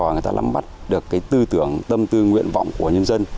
và người ta làm mắt được tư tưởng tâm tư nguyện vọng của nhân dân